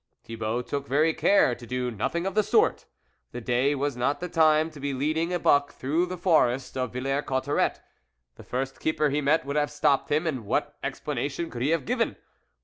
Thibault took very good care to do noth ing of the sort ; the day was not the time to be leading a buck through the forest of Villers Cotterets ; the first keeper he met would have stopped him, and what expla nation could he have given